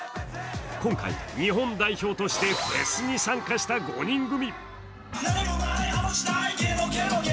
今回、日本代表としてフェスに参加した５人組。